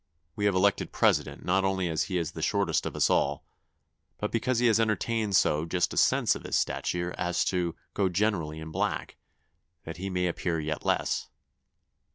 we have elected president, not only as he is the shortest of us all, but because he has entertained so just a sense of his stature as to go generally in black, that he may appear yet less.